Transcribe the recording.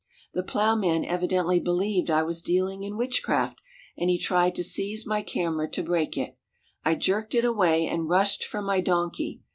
The plowman evidently believed I was dealing in witchcraft, and he tried to seize my camera to break it. I jerked it away and rushed for my donkey.